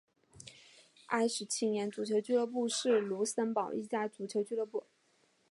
埃施青年足球俱乐部是卢森堡的一家足球俱乐部。